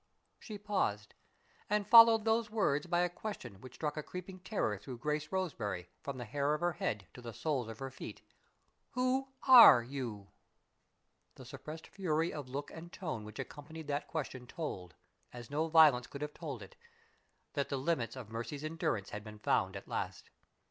'" She paused, and followed those words by a question which struck a creeping terror through Grace Roseberry, from the hair of her head to the soles of her feet: "Who are you?" The suppressed fury of look and tone which accompanied that question told, as no violence could have told it, that the limits of Mercy's endurance had been found at last.